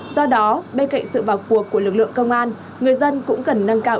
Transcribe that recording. do đó bên cạnh sự vào cuộc của lực lượng công an người dân cũng cần nâng cao